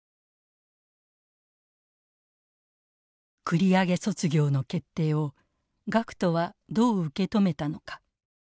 繰り上げ卒業の決定を学徒はどう受け止めたのか。